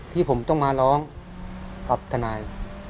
ที่ผมต้องมาร้องกับทนาย